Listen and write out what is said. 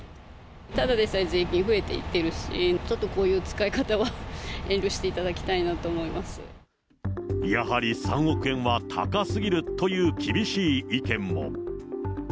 ただでさえ、税金増えていってるし、ちょっとこういう使い方は遠慮していただやはり３億円は高すぎるという厳しい意見も。